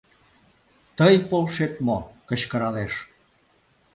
Тый полшет мо?.. — кычкыралеш.